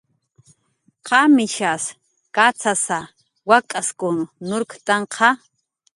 ¿Qamishas kacxasa, wak'askun nurktnqa?